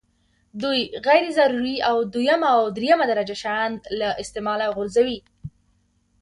دوی غیر ضروري او دویمه او درېمه درجه شیان له استعماله غورځوي.